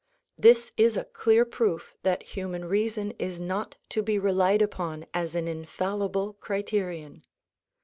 This is a clear proof that human reason is not to be relied upon as an infallible criterion.